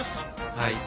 はい。